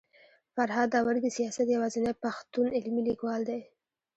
فرهاد داوري د سياست يوازنی پښتون علمي ليکوال دی